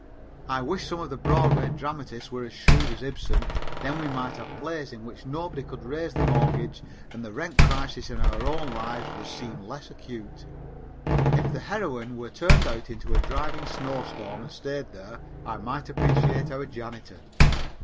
I wish some of the Broadway dramatists were as shrewd as Ibsen. Then we might have plays in which nobody could raise the mortgage and the rent crisis in our own lives would seem less acute. If the heroine were turned out into a driving snowstorm and stayed there, I might appreciate our janitor.